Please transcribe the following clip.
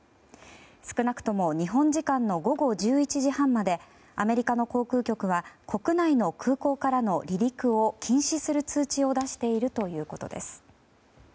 少なくとも日本時間の午後１１時半までアメリカの航空局は国内の空港からの離陸を禁止する通知を出しているということです。